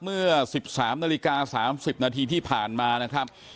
เมื่อ๑๓นาฬิกา๓๐นาทีที่ผ่านมานะครับ